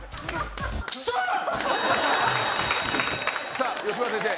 さあ吉村先生